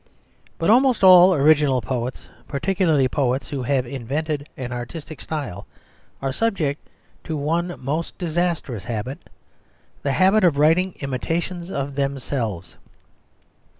But almost all original poets, particularly poets who have invented an artistic style, are subject to one most disastrous habit the habit of writing imitations of themselves.